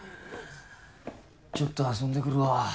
ちょっと遊んでくるわ。